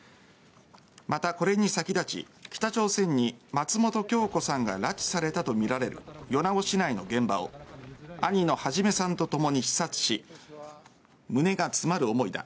また、これに先立ち北朝鮮に松本京子さんが拉致されたとみられる米子市内の現場を兄の孟さんとともに視察し胸が詰まる思いだ。